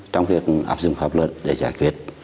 trong việc áp dụng pháp luật để giải quyết